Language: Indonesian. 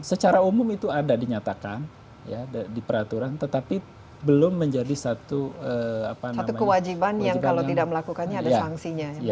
secara umum itu ada dinyatakan di peraturan tetapi belum menjadi satu kewajiban yang kalau tidak melakukannya ada sanksinya